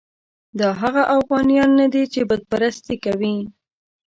دا هغه اوغانیان نه دي چې بت پرستي کوي.